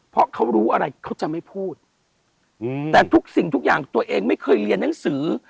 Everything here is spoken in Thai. เพราะเขารู้อะไรเขาจะไม่พูดแต่ทุกสิ่งทุกอย่างตัวเองไม่เคยเรียนหนังสือ